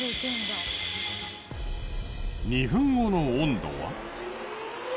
２分後の温度は？